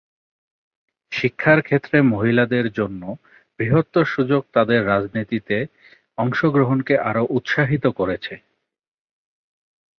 শিক্ষার ক্ষেত্রে মহিলাদের জন্য বৃহত্তর সুযোগ তাদের রাজনীতিতে অংশগ্রহণকে আরও উৎসাহিত করেছে।